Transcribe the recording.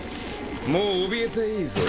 もうおびえていいぞ。